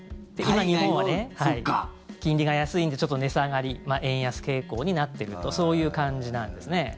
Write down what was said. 今、日本は金利が安いんでちょっと値下がり円安傾向になってるとそういう感じなんですね。